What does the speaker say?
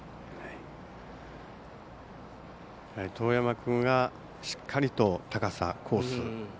當山君がしっかりと高さ、コース